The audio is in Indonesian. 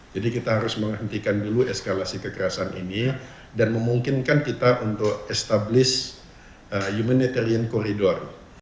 jadi kita harus menghentikan dulu eskalasi kekerasan ini dan memungkinkan kita untuk establish humanitarian corridor